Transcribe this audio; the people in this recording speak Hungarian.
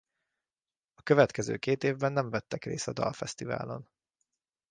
A következő két évben nem vettek részt a dalfesztiválon.